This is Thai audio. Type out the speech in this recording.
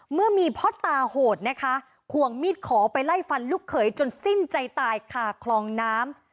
เมื่อมีพ่อตาโหดนะคะควงมีดขอไปไล่ฟันลูกเขยจนสิ้นใจตายคาคลองน้ำ